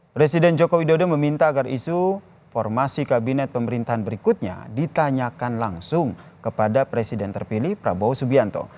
presiden joko widodo meminta agar isu formasi kabinet pemerintahan berikutnya ditanyakan langsung kepada presiden terpilih prabowo subianto